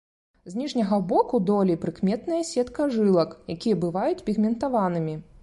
З ніжняга боку долей прыкметная сетка жылак, якія бываюць пігментаванымі.